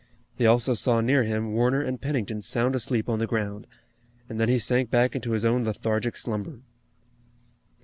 He also saw near him Warner and Pennington sound asleep on the ground, and then he sank back into his own lethargic slumber.